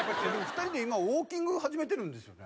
２人で今ウォーキング始めてるんですよね？